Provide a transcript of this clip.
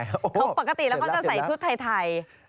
เขาปกติแล้วเขาจะใส่ชุดไทย